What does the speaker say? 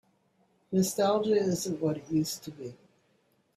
Nostalgia isn't what it used to be.